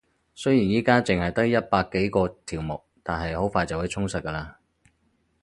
雖然而家淨係得一百幾個條目，但係好快就會充實㗎喇